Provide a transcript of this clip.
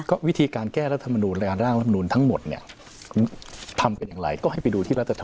ก็วิธีการแก้รัฐมานูษย์ราฐมานูษทั้งหมดเนี่ยทำเป็นอย่างไรก็ให้ไปดูที่รัฐมานูษ